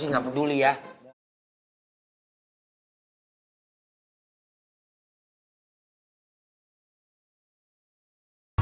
alhamdulillah ya allah